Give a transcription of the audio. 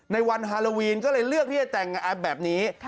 ในวันฮาโลวีนก็เลยเลือกที่จะแต่งงานแบบนี้